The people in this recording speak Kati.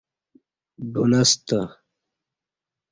ڈُنستہ